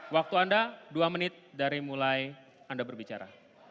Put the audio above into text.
waktu anda dua menit dari mulai anda berbicara